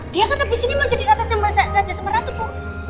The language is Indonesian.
dia kan abis ini mau jadi raja dan ratu kok